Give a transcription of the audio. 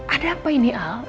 ada apa ini al